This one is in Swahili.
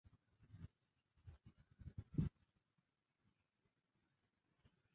Maji mengi ndani ya viungo vya mwili na uvimbe mwilini